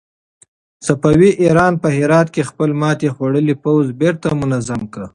صفوي ایران په هرات کې خپل ماتې خوړلی پوځ بېرته منظم نه کړ.